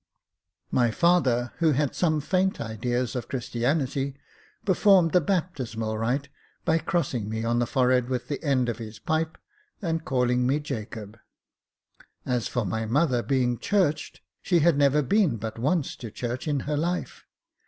My father, who had some faint ideas of Christianity, performed the baptismal rites by crossing me on the forehead with the end of his pipe, and calling me Jacob : as for my mother being churched, she had never been but once to church in her life.